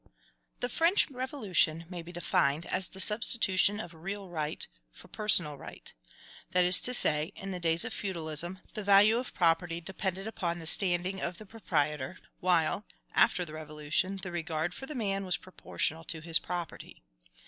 The French Revolution may be defined as the substitution of real right for personal right; that is to say, in the days of feudalism, the value of property depended upon the standing of the proprietor, while, after the Revolution, the regard for the man was proportional to his property.